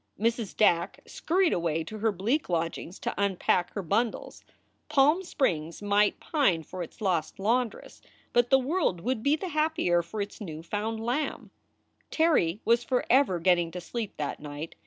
Mrs. Dack scurried away to her bleak lodgings to unpack her bundles. Palm Springs might pine for its lost laundress, but the world would be the happier for its new found lamb. Terry was forever getting to sleep that night.